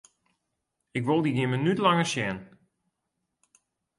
Ik wol dyn gjin minút langer sjen!